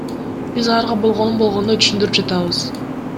Биз аларга болгонун болгондой түшүндүрүп жатабыз.